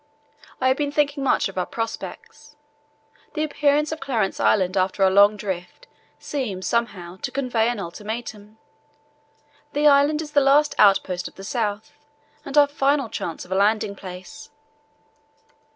I have been thinking much of our prospects. The appearance of Clarence Island after our long drift seems, somehow, to convey an ultimatum. The island is the last outpost of the south and our final chance of a landing place.